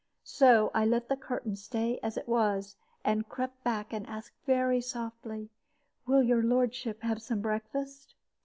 So I let the curtain stay as it was, and crept back, and asked, very softly, 'Will your lordship have some breakfast?'